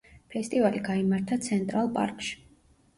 ფესტივალი გაიმართა ცენტრალ პარკში.